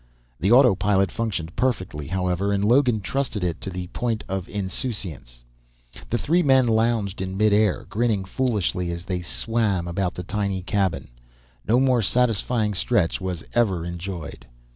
The autopilot functioned perfectly, however, and Logan trusted it to the point of insouciance. The three men lounged in midair, grinning foolishly as they "swam" about the tiny cabin. No more satisfying stretch was ever enjoyed.